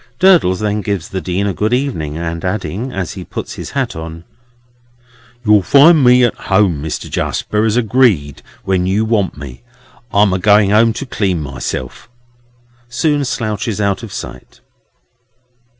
Durdles then gives the Dean a good evening, and adding, as he puts his hat on, "You'll find me at home, Mister Jarsper, as agreed, when you want me; I'm a going home to clean myself," soon slouches out of sight.